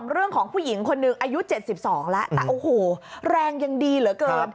เรื่องของผู้หญิงคนหนึ่งอายุ๗๒แล้วแต่โอ้โหแรงยังดีเหลือเกิน